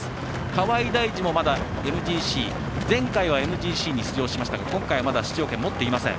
河合代二もまだＭＧＣ前回はＭＧＣに出場しましたが今回はまだ出場権を持っていません。